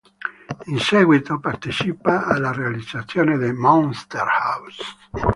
In seguito partecipa alla realizzazione di "Monster House".